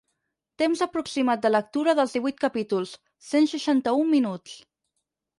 Temps aproximat de lectura dels divuit capítols: cent seixanta-u minuts.